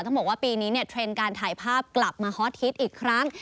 ต้องบอกว่าปีนี้เนี่ยเทรนด์การถ่ายภาพกลับมาฮอตฮิตอีกครั้ง